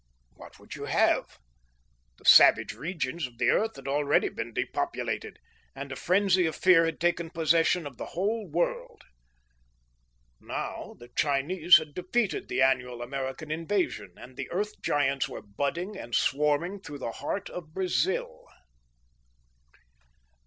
What would you have? The savage regions of the earth had already been depopulated, and a frenzy of fear had taken possession of the whole world. Now the Chinese had defeated the annual American invasion, and the Earth Giants were budding and swarming through the heart of Brazil.